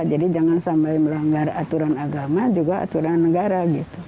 jadi jangan sampai melanggar aturan agama juga aturan negara